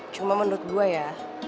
cuma menurut gue ya